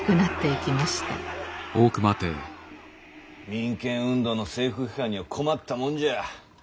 民権運動の政府批判には困ったもんじゃ。